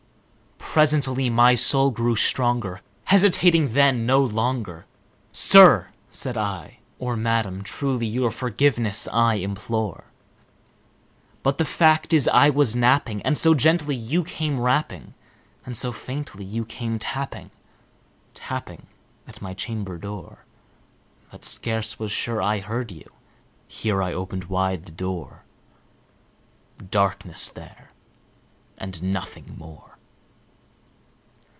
Presently my soul grew stronger; hesitating then no longer, "Sir," said I, "or Madam, truly your forgiveness I implore; But the fact is I was napping, and so gently you came rapping, And so faintly you came tapping, tapping at my chamber door, That I scarce was sure I heard you" here I opened wide the door; Darkness there, and nothing more.